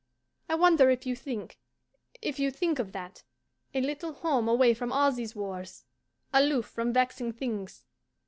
I wonder if you think if you think of that: a little home away from all these wars, aloof from vexing things.